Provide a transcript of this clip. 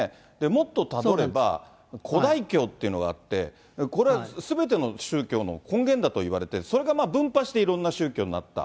もっとたどれば、こだい教っていうのがあって、これはすべての宗教の根源だといわれて、それが分派していろんな宗教になった。